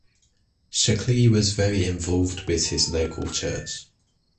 Shaklee was very involved with his local church.